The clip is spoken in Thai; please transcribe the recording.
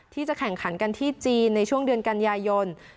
ที่จะแข่งขันกันที่จีนในช่วงเดือนกันยายน